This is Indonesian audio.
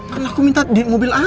kan aku minta di mobil aja